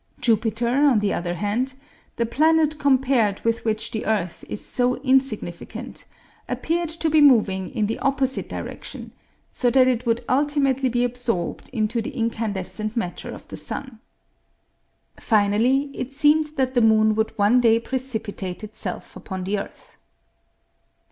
Jupiter, on the other hand, the planet compared with which the earth is so insignificant, appeared to be moving in the opposite direction, so that it would ultimately be absorbed into the incandescent matter of the sun. Finally, it seemed that the moon would one day precipitate itself upon the earth.